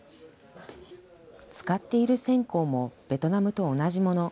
使っている線香もベトナムと同じもの。